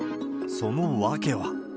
その訳は。